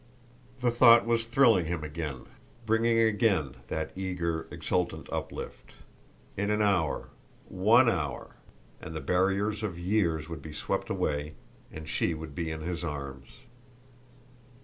The thought was thrilling him again, bringing again that eager, exultant uplift. In an hour, ONE hour, and the barriers of years would be swept away, and she would be in his arms!